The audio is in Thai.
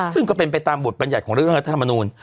ซึ่งก็เป็นไปตามบทบรรยัติของเรื่องรัฐธรรมนูล